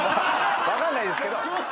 分かんないですけど。